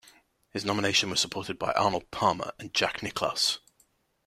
His nomination was supported by Arnold Palmer and Jack Nicklaus.